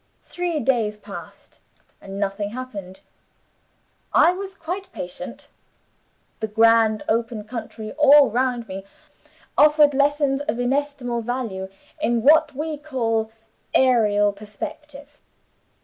Three days passed, and nothing happened. I was quite patient; the grand open country all round me offered lessons of inestimable value in what we call aerial perspective.